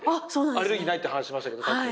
アレルギーないって話しましたけどさっき。